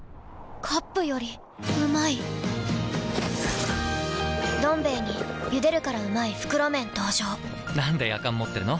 カップよりうまい「どん兵衛」に「ゆでるからうまい！袋麺」登場なんでやかん持ってるの？